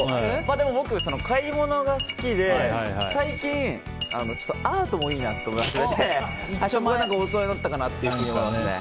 でも僕、買い物が好きで最近、アートもいいなと思いまして大人になったかなと思いますね。